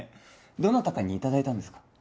どなたかにいただいたんですか？